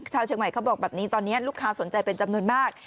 ชาวเชียงใหม่เขาบอกแบบนี้ตอนนี้ลูกค้าสนใจเป็นจำนวนมาก